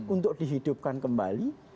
untuk dihidupkan kembali